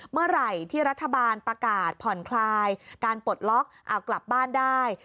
เมื่อไหร่ที่รัฐบาลประกาศผ่อนคลายการปลดล็อกเอากลับบ้านได้